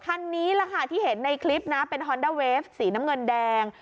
คันนี้แหละค่ะที่เห็นในคลิปนะเป็นฮอนด้าเวฟสีน้ำเงินแดง